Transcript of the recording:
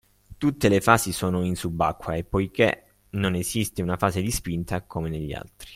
tutte le fasi sono in subacquea e poichè non esiste una fase di “spinta” come negli altri.